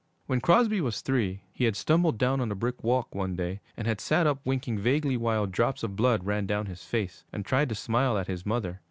When Crosby was three, he had tumbled down on a brick walk one day, and had sat up winking vaguely while drops of blood ran down his face and tried to smile at his mother.